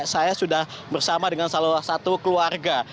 saya sudah bersama dengan salah satu keluarga